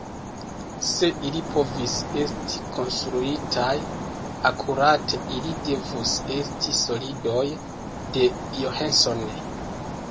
Se ili povus esti konstruitaj akurate, ili devus esti "solidoj de Johnson".